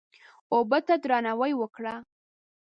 اوبه ته درناوی وکړه.